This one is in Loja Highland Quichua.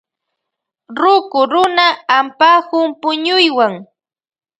Ruku runa ampakun puñuywan.